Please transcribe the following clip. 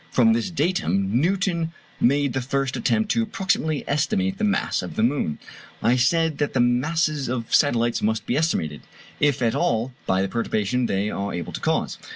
From this datum Newton made the first attempt to approximately estimate the mass of the moon. I said that the masses of satellites must be estimated, if at all, by the perturbation they are able to cause.